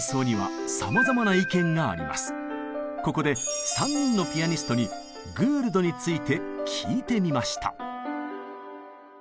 ここで３人のピアニストにグールドについて聞いてみました。